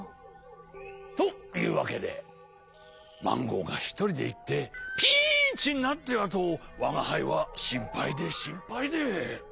というわけでマンゴーがひとりでいってピンチになってはとわがはいはしんぱいでしんぱいで。